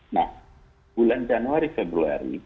nah bulan januari februari